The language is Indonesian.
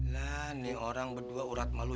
lah nih orang berdua urat malu